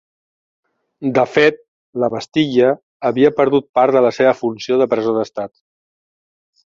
De fet, la Bastilla havia perdut part la seva funció de presó d'Estat.